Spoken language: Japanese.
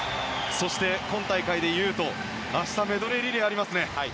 そして今大会でいうと明日、メドレーリレーありますね。